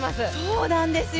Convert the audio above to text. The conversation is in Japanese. そうなんですよ！